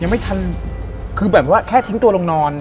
ยังไม่ทันคือแบบว่าแค่ทิ้งตัวลงนอน